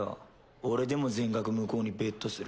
俺でも全額向こうにベットする。